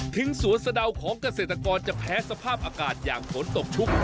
สวนสะดาวของเกษตรกรจะแพ้สภาพอากาศอย่างฝนตกชุก